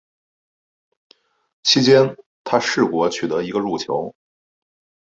其间他试过取得一个入球。